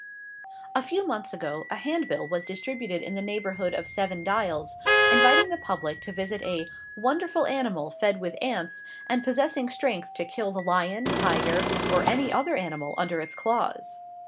) A few months ago a handbill was distributed in the neighbourhood of Seven Dials, inviting the public to visit a "wonderful animal fed with ants, and possessing strength to kill the lion, tiger, or any other animal under its claws."